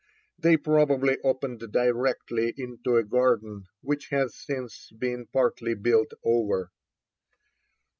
They probably opened directly into a garden which has since been partly built over.